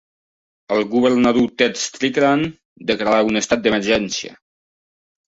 El governador Ted Strickland declarà un estat d'emergència.